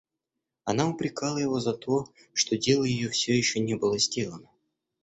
Она упрекала его за то, что дело ее всё еще не было сделано.